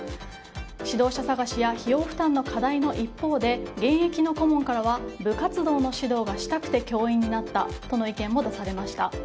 指導者探しや費用負担の課題の一方で現役の顧問からは部活動の指導がしたくて教員になったとの意見も出されました。